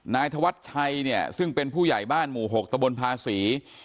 นายธวัชชัยเนี่ยซึ่งเป็นผู้ใหญ่บ้านหมู่๖ตะบนภาษี